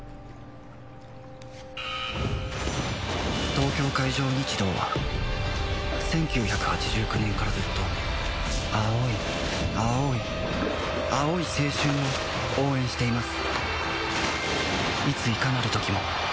東京海上日動は１９８９年からずっと青い青い青い青春を応援しています